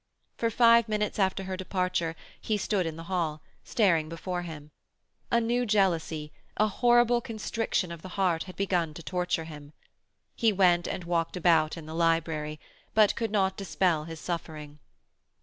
For five minutes after her departure he stood in the hall, staring before him. A new jealousy, a horrible constriction of the heart, had begun to torture him. He went and walked about in the library, but could not dispel his suffering.